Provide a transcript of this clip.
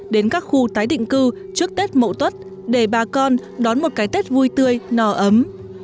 đến các khu tái định cư trước tết mậu tuất để bà con đón một cái tết vui tươi nò ấm